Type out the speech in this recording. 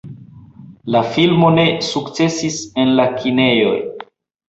La filmo ne sukcesis en la kinejoj.